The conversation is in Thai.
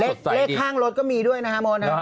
เรข้างรถก็มีด้วยนะครับโมน